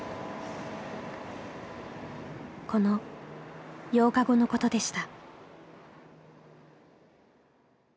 この８日後のことでした。